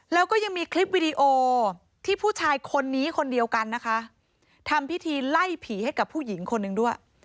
แล้วก็ยังมีคลิปวิดีโอที่ผู้ชายคนนี้คนเดียวกันนะคะทำพิธีไล่ผีให้กับผู้หญิงคนหนึ่งด้วย